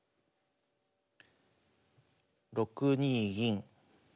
６二銀。